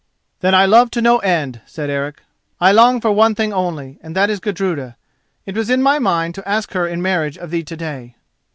"Then I love to no end," said Eric; "I long for one thing only, and that is Gudruda. It was in my mind to ask her in marriage of thee to day."